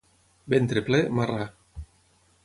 Ventre ple, marrà.